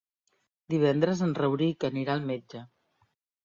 Divendres en Rauric anirà al metge.